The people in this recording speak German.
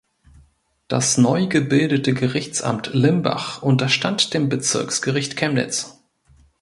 Das neu gebildete Gerichtsamt Limbach unterstand dem Bezirksgericht Chemnitz.